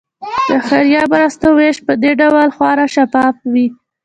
د خیریه مرستو ویش په دې ډول خورا شفاف وي.